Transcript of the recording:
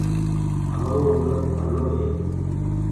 همرو ملڪ ڀلو هي۔